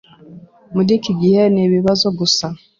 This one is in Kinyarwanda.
Muri iki gihe nibibazo gusa